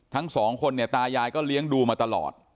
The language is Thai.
ทั้งสองคนเนี่ยตายายก็เลี้ยงดูมาตลอด